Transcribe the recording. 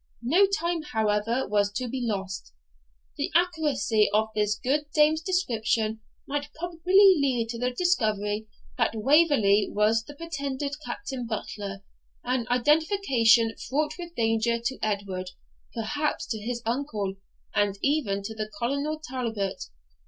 No time, however, was to be lost: the accuracy of this good dame's description might probably lead to the discovery that Waverley was the pretended Captain Butler, an identification fraught with danger to Edward, perhaps to his uncle, and even to Colonel Talbot.